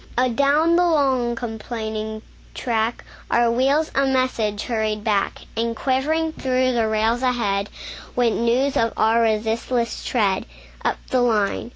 Adown the long, complaining track, Our wheels a message hurried back; And quivering through the rails ahead, Went news of our resistless tread, Up the line.